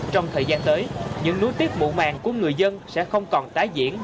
trong thời gian tới những núi tiết mộ màng của người dân sẽ không còn tái diễn